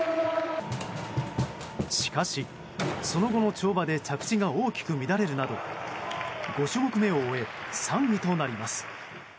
しかし、その後の跳馬で着地が大きく乱れるなど５種目めを終え３位となります。